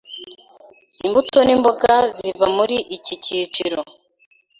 imbuto n’imboga ziba muri iki cyiciro